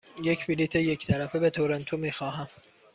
یک بلیط یک طرفه به تورنتو می خواهم.